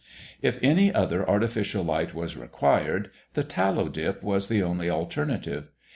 If any other artificial light was required, the tallow dip was the only alternative.